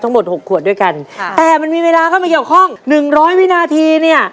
ทั้งหมดหกขวดด้วยกันแต่มันมีเวลาก็ไม่เกี่ยวข้องหนึ่งร้อยวินาทีเนี่ย